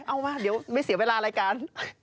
เอามาเดี๋ยวไม่เสียเวลารายการ